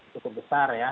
cukup besar ya